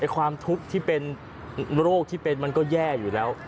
ความทุกข์ที่เป็นโรคที่เป็นมันก็แย่อยู่แล้ว